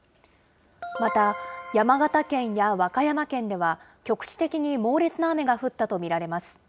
また、山形県や和歌山県では、局地的に猛烈な雨が降ったと見られます。